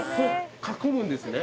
囲むんですね。